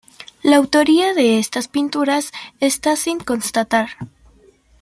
La autoría de estas pinturas está sin constatar.